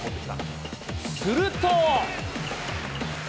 すると。